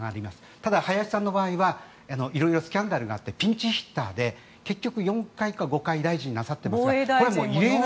ただ、林さんの場合は色々スキャンダルがあってピンチヒッターで結局４回か５回大臣をなさっていまして。